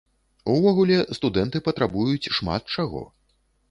Увогуле, студэнты патрабуюць шмат чаго.